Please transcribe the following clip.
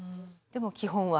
でも基本は。